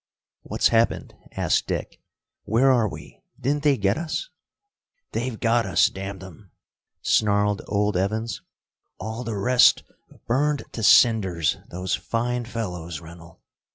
"What's happened?" asked Dick. "Where are we? Didn't they get us?" "They've got us, damn them!" snarled old Evans. "All the rest burned to cinders, those fine fellows, Rennell!